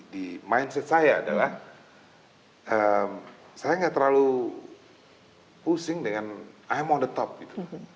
di mindset saya adalah saya nggak terlalu pusing dengan ime on the top gitu